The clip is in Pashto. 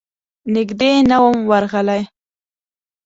نږدې نه وم ورغلی.